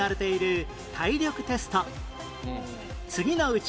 次のうち